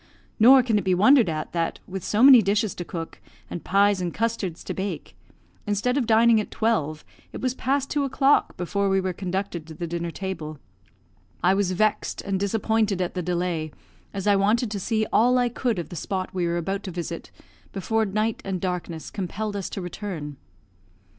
Nor can it be wondered at, that, with so many dishes to cook, and pies and custards to bake, instead of dining at twelve, it was past two o'clock before we were conducted to the dinner table. I was vexed and disappointed at the delay, as I wanted to see all I could of the spot we were about to visit before night and darkness compelled us to return.